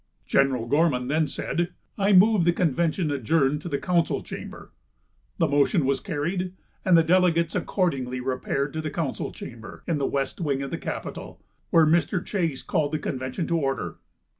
General Gorman then said: "I move the convention adjourn to the council chamber." The motion was carried, and the delegates accordingly repaired to the council chamber, in the west wing of the capitol, where Mr. Chase called the convention to order.